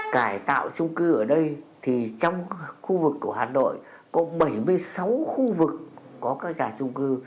cải tạo trung cư ở đây thì trong khu vực của hà nội có bảy mươi sáu khu vực có các nhà trung cư